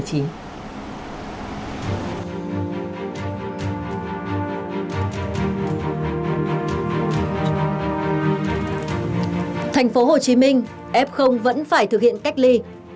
thành phố hồ chí minh f vẫn phải thực hiện cách ly